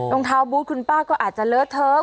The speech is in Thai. รองเท้าบูธคุณป้าก็อาจจะเลอะเทอะ